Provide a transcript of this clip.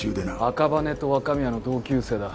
赤羽と若宮の同級生だ。